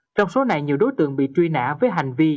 trong số này nhiều đối tượng bị truy nã với hành vi